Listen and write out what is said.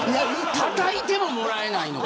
たたいても、もらえないのか。